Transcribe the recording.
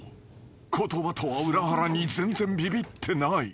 言葉とは裏腹に全然ビビってない］